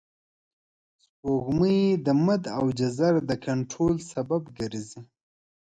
سپوږمۍ د مد او جزر د کنټرول سبب ګرځي